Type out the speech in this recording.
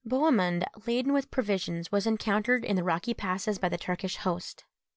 Bohemund, laden with provisions, was encountered in the rocky passes by the Turkish host.